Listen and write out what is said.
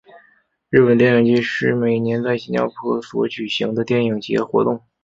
日本电影祭是每年在新加坡所举行的电影节活动。